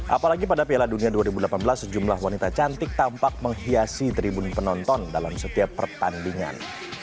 apalagi pada piala dunia dua ribu delapan belas sejumlah wanita cantik tampak menghiasi tribun penonton dalam setiap pertandingan